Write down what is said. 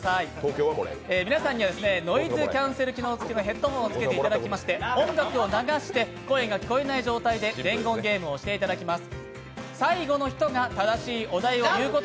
皆さんにはノイズキャンセル機能付きのヘッドホンを着けていただきまして、音楽を流して声が聞こえない状態で伝言ゲームをしていただきます。